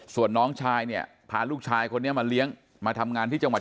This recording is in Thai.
ส่วนน้องชายเนี่ยพาลูกชายคนนี้มาเลี้ยงมาทำงานที่จังหวัด